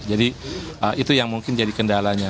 jadi itu yang mungkin jadi kendalanya